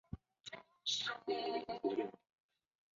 库尔热奥内。